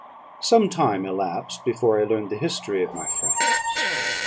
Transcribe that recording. "Some time elapsed before I learned the history of my friends.